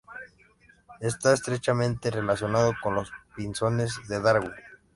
Esta estrechamente relacionado con los pinzones de Darwin.